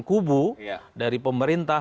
kubu dari pemerintah